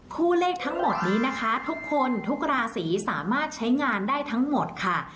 เลขทั้งหมดนี้นะคะทุกคนทุกราศีสามารถใช้งานได้ทั้งหมดค่ะ